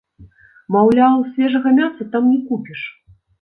Маўляў, свежага мяса там не купіш.